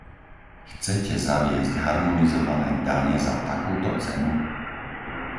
Chcete zaviesť harmonizované dane za takúto cenu?